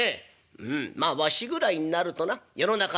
「うんまあわしぐらいになるとな世の中の